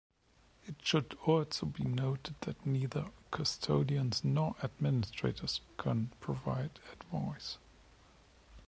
It should also be noted that neither custodians nor administrators can provide advice.